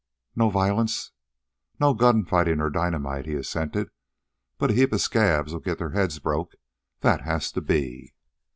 "No violence." "No gun fighting or dynamite," he assented. "But a heap of scabs'll get their heads broke. That has to be."